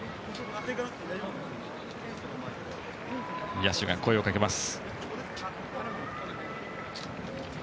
野手が声をかけています。